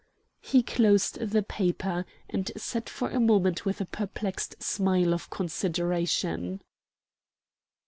He closed the paper, and sat for a moment with a perplexed smile of consideration.